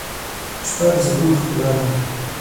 شپه د سکون ښکلا ده.